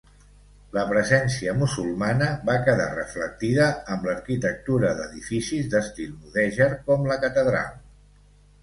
La presència musulmana va quedar reflectida amb l'arquitectura d'edificis d'estil mudèjar, com la catedral.